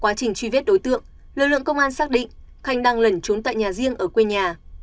quá trình truy vết đối tượng lực lượng công an xác định khanh đang lẩn trốn tại nhà riêng ở quê nhà